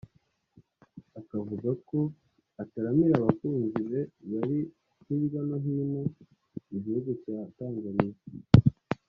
akavuga ko ataramira abakunzi be bari hirya no hino mu gihugu cya Tanzania